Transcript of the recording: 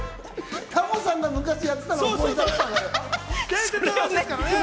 タモさんが昔やってたの思い出したの。